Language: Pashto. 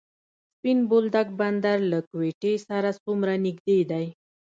سپین بولدک بندر له کویټې سره څومره نږدې دی؟